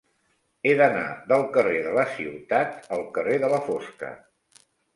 He d'anar del carrer de la Ciutat al carrer de la Fosca.